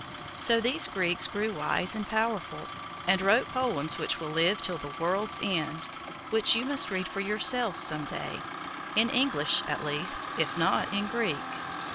So these Greeks grew wise and powerful, and wrote poems which will live till the world's end, which you must read for yourselves some day, in English at least, if not in Greek.